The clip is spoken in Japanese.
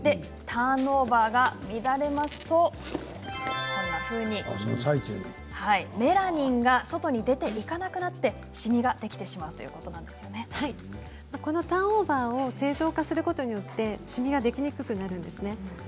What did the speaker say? ターンオーバーが乱れるとこんなふうにメラニンが外に出ていかなくなって、シミができてしまうこのターンオーバーを正常化することによってシミができにくくなるんですね。